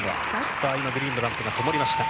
今、グリーンのランプがともりました。